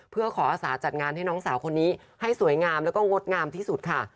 เพื่อขออาศาจัดงานให้น้องสาวคนนี้ให้สวยงามแล้วก็งดงามที่สุดค่ะ